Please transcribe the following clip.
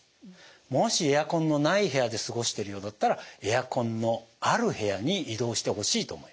もしエアコンのない部屋で過ごしてるようだったらエアコンのある部屋に移動してほしいと思います。